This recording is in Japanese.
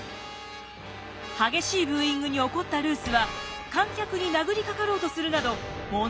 激しいブーイングに怒ったルースは観客に殴りかかろうとするなど問題を起こすようになります。